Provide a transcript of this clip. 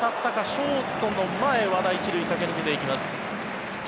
ショートの前和田、１塁駆け抜けていきます。